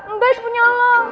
nggak itu punya lo